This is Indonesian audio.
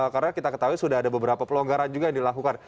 karena kita ketahui sudah ada beberapa pelonggaran juga yang dilakukan